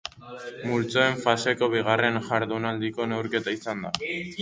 Multzoen faseko bigarren jardunaldiko neurketa izan da.